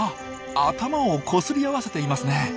頭をこすり合わせていますね。